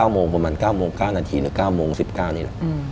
๙โมงประมาณ๙โมง๙นาทีหรือ๙โมง๑๙นี่แหละ